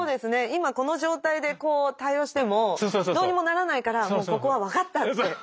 今この状態でこう対応してもどうにもならないからもうここは「分かった」って。